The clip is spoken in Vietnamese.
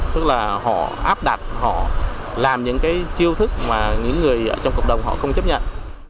tức là họ áp đặt họ làm những cái chiêu thức mà những người trong cộng đồng họ không chấp nhận